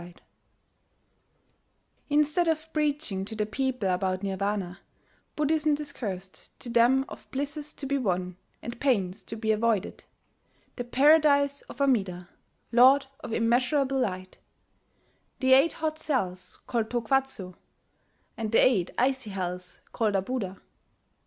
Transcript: ] Instead of preaching to the people about Nirvana, Buddhism discoursed to them of blisses to be won and pains to be avoided: the Paradise of Amida, Lord of Immeasurable Light; the eight hot hells called To kwatsu, and the eight icy hells called Abuda.